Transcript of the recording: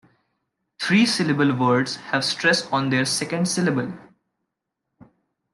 Three-syllable words have stress on their second syllable.